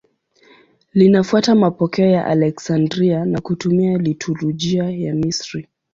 Linafuata mapokeo ya Aleksandria na kutumia liturujia ya Misri.